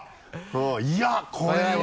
いやこれは。